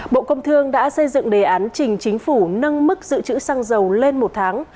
bộ công thương đã xây dựng đề án trình chính phủ nâng mức dự trữ xăng dầu lên một tháng